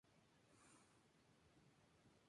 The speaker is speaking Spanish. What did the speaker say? Esto nos indica la dirección que la reacción seguirá.